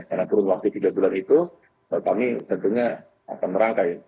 karena turun waktu tiga bulan itu kami tentunya akan merangkai